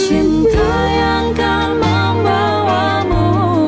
cinta yang balkan membawamu